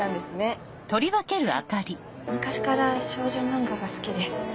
はい昔から少女漫画が好きで。